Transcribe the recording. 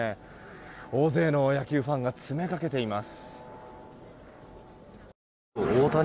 大勢の野球ファンが詰めかけています。